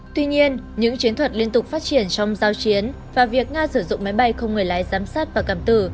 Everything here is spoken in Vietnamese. tuy nhiên những chiến thuật liên tục phát triển trong giao chiến và việc nga sử dụng máy bay không người lái giám sát và cầm tử